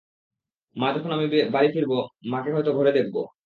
মা, যখন আমি বাড়ি ফিরব মাকে হয়তো ঘরে দেখবো।